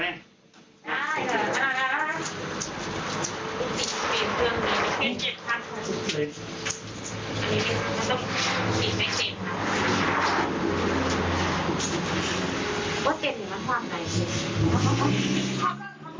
ได้เหรอจริงหรือเปล่า